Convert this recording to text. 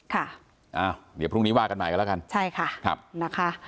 เอาเดี๋ยวพรุ่งนี้บ้านบากันใหม่แล้วกัน